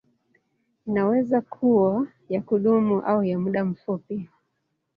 Inaweza kuwa ya kudumu au ya muda mfupi.